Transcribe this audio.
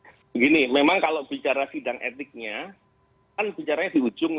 begini memang kalau bicara sidang etiknya kan bicaranya di ujung